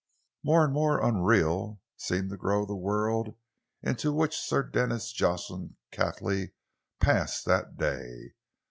More and more unreal seemed to grow the world in which Sir Denis Jocelyn Cathley passed that day.